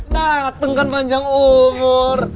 nah tengkan panjang umur